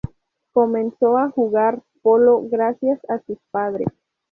Comenzó a jugar polo gracias a sus padres.